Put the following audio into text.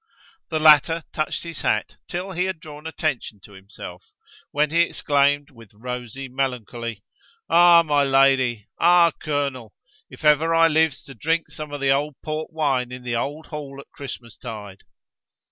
The latter touched his hat till he had drawn attention to himself, when he exclaimed, with rosy melancholy: "Ah! my lady, ah! colonel, if ever I lives to drink some of the old port wine in the old Hall at Christmastide!"